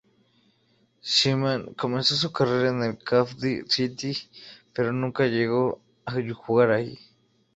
Seaman comenzó su carrera en el Cardiff City, pero nunca llegó a jugar allí.